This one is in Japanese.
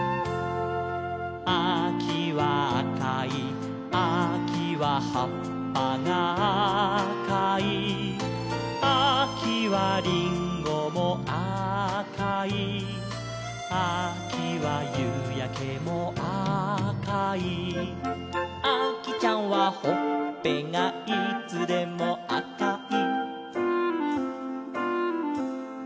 「あきはあかい」「あきははっぱがあかい」「あきはりんごもあかい」「あきはゆうやけもあかい」「あきちゃんはほっぺがいつでもあかい」